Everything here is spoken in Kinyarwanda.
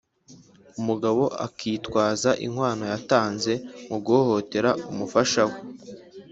umugabo akitwaza inkwano yatanze mu guhohotera umufasha we,